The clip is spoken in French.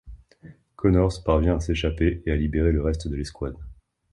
Connors parvient à s'échapper et à libérer le reste de l'escouade.